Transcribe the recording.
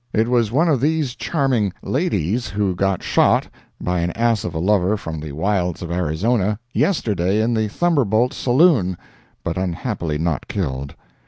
It was one of these charming ladies who got shot, by an ass of a lover from the wilds of Arizona, yesterday in the Thunderboldt Saloon, but unhappily not killed.